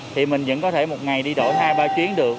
thì mình vẫn có thể một ngày đi đổi hai ba chuyến được